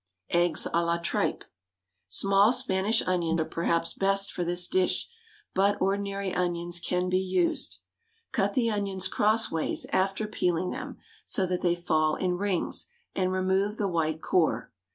EGGS A LA TRIPE. Small Spanish onions are perhaps best for this dish, but ordinary onions can be used. Cut the onions cross ways after peeling them, so that they fall in rings, and remove the white core.